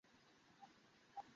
সে কি বাড়ির বাইরে পা ফেলতে পারবে?